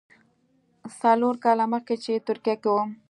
څلور کاله مخکې چې ترکیه کې وم.